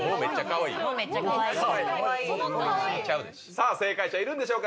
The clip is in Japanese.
さぁ正解者いるんでしょうか？